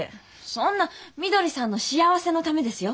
そんなみどりさんの幸せのためですよ。